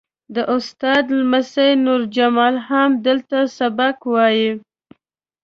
د استاد لمسی نور جمال هم دلته سبق وایي.